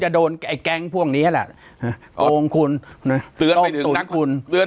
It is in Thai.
ปากกับภาคภูมิ